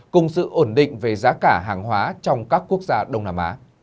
cùng sự ổn định về giá cả hàng hóa trong các quốc gia đông nam á